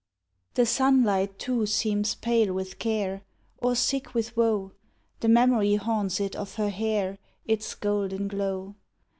The sunlight, too, seems pale with care, Or sick with woe; The memory haunts it of her hair, Its golden glow.